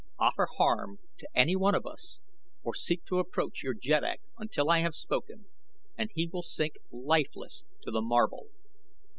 Offer harm to any one of us, or seek to approach your jeddak until I have spoken, and he shall sink lifeless to the marble.